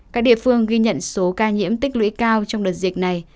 các địa phương ghi nhận số ca nhiễm tích lũy cao trong đợt dịch này